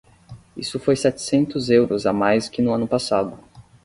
Isso foi setecentos euros a mais que no ano passado.